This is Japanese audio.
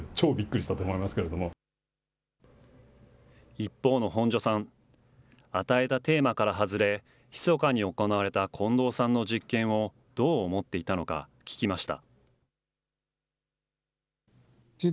一方の本庶さん、与えたテーマから外れ、ひそかに行われた近藤さんの実験を、どう思っていたのか聞きました。